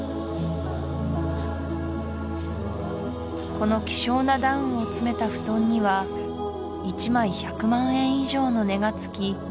この希少なダウンを詰めた布団には１枚１００万円以上の値が付き